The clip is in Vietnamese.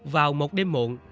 vào một đêm muộn